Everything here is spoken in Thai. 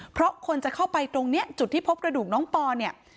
เพราะคนจะเข้าไปตรงนี้จุดที่พบกระดูกน้องปอเนี่ย